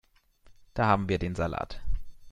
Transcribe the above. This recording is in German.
Da haben wir den Salat.